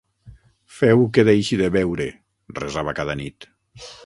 "Feu que deixi de beure", resava cada nit.